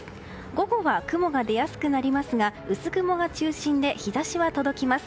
午後は雲が出やすくなりますが薄雲が中心で日差しは届きます。